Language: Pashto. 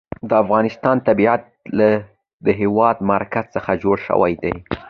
د افغانستان طبیعت له د هېواد مرکز څخه جوړ شوی دی.